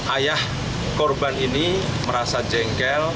ayah korban ini merasa jengkel